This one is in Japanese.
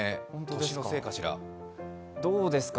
年のせいかしら。